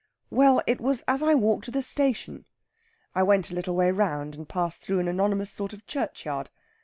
"Well, it was as I walked to the station. I went a little way round, and passed through an anonymous sort of a churchyard.